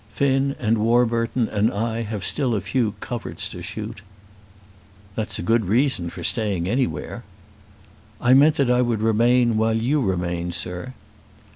Finn, and Warburton, and I have still a few coverts to shoot." "That's a good reason for staying anywhere." "I meant that I would remain while you remained, sir."